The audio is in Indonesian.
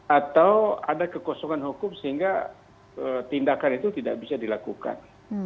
atau ada kekosongan hukum sehingga tindakan itu tidak bisa dilakukan